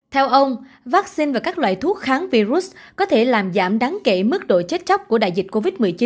theo ông vaccine và các loại thuốc kháng virus có thể làm giảm đáng kể mức độ chết chóc của đại dịch covid một mươi chín trong tương lai